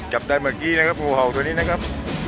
จับได้เมื่อกี้นะครับงูเห่าตัวนี้นะครับ